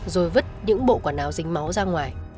rồi vứt những bộ quả nào dính máu ra ngoài